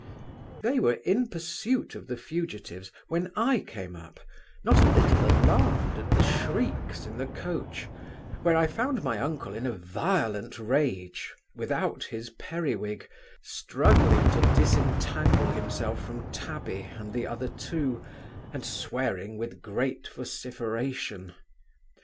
They were in pursuit of the fugitives when I came up, not a little alarmed at the shrieks in the coach, where I found my uncle in a violent rage, without his periwig, struggling to disentangle himself from Tabby and the other two, and swearing with great vociferation.